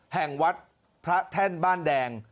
แห่งวัดพระแท่นบ้านแดง